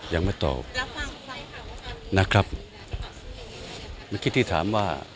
ยังไม่ตอบนะครับไม่คิดที่ถามว่า